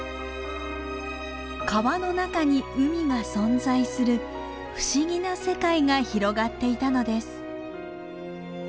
川の中に海が存在する不思議な世界が広がっていたのです。